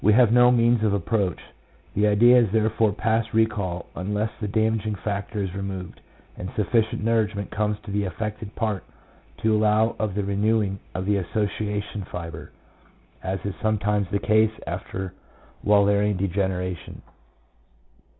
have no means of approach ; the idea is therefore past recall unless the damaging factor is removed, and sufficient nourishment comes to the affected part to allow of the renewing of the association fibre, as is sometimes the case after Wallerian degeneration.